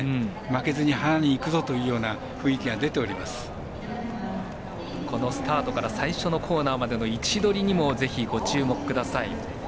負けずにいくぞというようなこのスタートから最初のコーナーの位置取りにもぜひご注目ください。